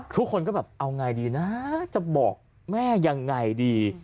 ทุกคนก็แบบเอาไงดีนะจะบอกแม่ยังไงดี